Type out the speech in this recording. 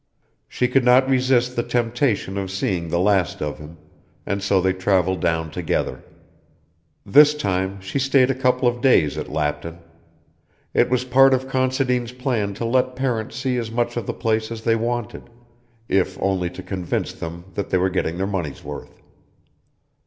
She could not resist the temptation of seeing the last of him, and so they travelled down together. This time she stayed a couple of days at Lapton. It was part of Considine's plan to let parents see as much of the place as they wanted, if only to convince them that they were getting their money's worth.